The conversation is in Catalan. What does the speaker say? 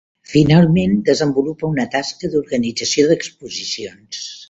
Finalment, desenvolupa una tasca d'organització d'exposicions.